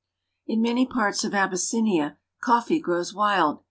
124 AFRICA In many parts of Abyssinia coffee grows wild.